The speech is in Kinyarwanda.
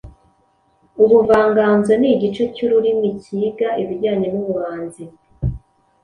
Ubuvanganzo: Ni igice cy’ururimi kiga ibijyanye n’ubuhanzi.